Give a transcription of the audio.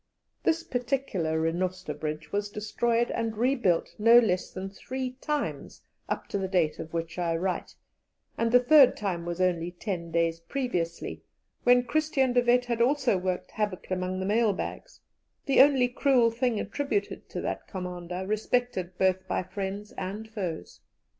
This particular Rhenoster bridge was destroyed and rebuilt no less than three times up to the date of which I write, and the third time was only ten days previously, when Christian De Wet had also worked havoc among the mail bags, the only cruel thing attributed to that commander, respected both by friends and foes.